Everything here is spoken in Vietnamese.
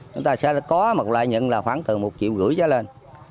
chúng ta sẽ có một lợi nhận là khoảng từ một triệu gửi cho lên